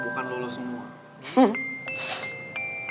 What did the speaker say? bukan lo semua